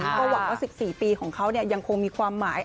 ก็หวังว่า๑๔ปีของเขายังคงมีความหมาย